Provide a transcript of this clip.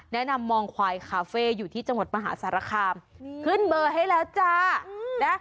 แนะนำมองควายคาเฟ่อยู่ที่จังหวัดมหาสารคามขึ้นเบอร์ให้แล้วจ้านะ